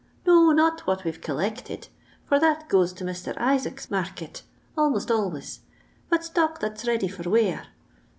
No, not what we 've collected — for that goes to Mr. Isaac's market almost always — but stock that 's ready for wear.